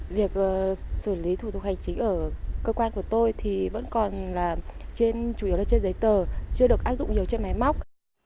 việc xử lý thủ tục hành chính ở cơ quan của tôi thì vẫn còn là trên chủ yếu là trên giấy tờ chưa được áp dụng nhiều trên máy móc